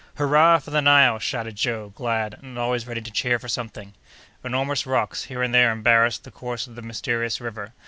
"Hurrah for the Nile!" shouted Joe, glad, and always ready to cheer for something. Enormous rocks, here and there, embarrassed the course of this mysterious river.